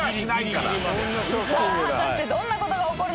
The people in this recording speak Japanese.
さあ果たしてどんなことが起こるのか？